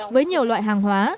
với nhiều loại hàng hóa